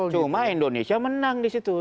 cuma indonesia menang disitu